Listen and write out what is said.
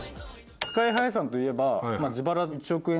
ＳＫＹ−ＨＩさんといえば。